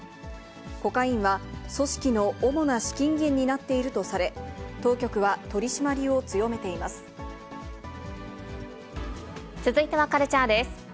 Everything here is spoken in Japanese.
コカインは、組織の主な資金源になっているとされ、続いてはカルチャーです。